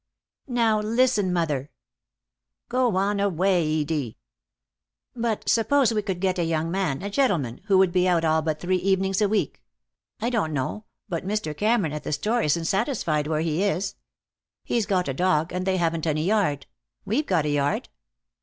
"Now, listen, mother " "Go on away, Edie." "But suppose we could get a young man, a gentleman, who would be out all but three evenings a week. I don't know, but Mr. Cameron at the store isn't satisfied where he is. He's got a dog, and they haven't any yard. We've got a yard."